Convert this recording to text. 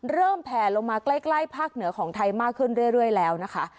เริ่มแพลลงมาใกล้ใกล้ภาคเหนือของไทยมากขึ้นเรื่อยเรื่อยแล้วนะคะ